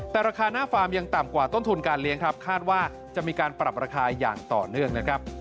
แต่ราคาหน้าฟาร์มยังต่ำกว่าต้นทุนการเลี้ยงครับคาดว่าจะมีการปรับราคาอย่างต่อเนื่องนะครับ